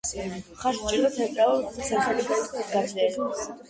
მხარს უჭერდა ცენტრალური ხელისუფლების გაძლიერებას.